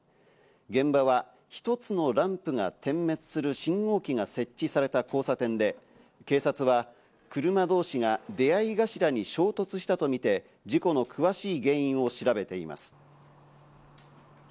現場は一つのランプが点滅する信号機が設置された交差点で、警察は車同士が出合い頭に衝突したとみて事故の詳しい原因を調べています。